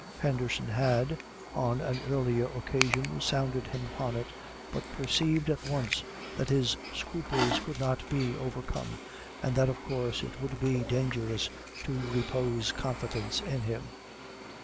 Henderson had, on an earlier occasion sounded him upon it, but perceived at once that his scruples could not be overcome, and that of course it would be dangerous to repose confidence in him.